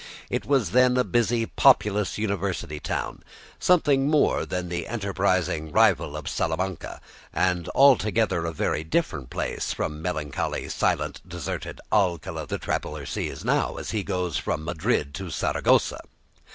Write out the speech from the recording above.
It was then a busy, populous university town, something more than the enterprising rival of Salamanca, and altogether a very different place from the melancholy, silent, deserted Alcala the traveller sees now as he goes from Madrid to Saragossa.